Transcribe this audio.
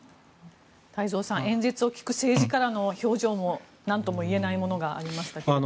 太蔵さん演説を聞く政治家らの表情もなんとも言えないものがありましたけれど。